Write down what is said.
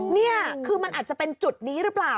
นี่คือมันอาจจะเป็นจุดนี้หรือเปล่า